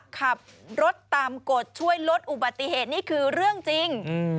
ขับรถตามกฎช่วยลดอุบัติเหตุนี่คือเรื่องจริง